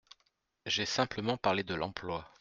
J’ai simplement parlé de l’emploi.